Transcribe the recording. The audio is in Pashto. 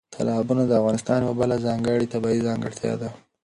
تالابونه د افغانستان یوه بله ځانګړې طبیعي ځانګړتیا ده.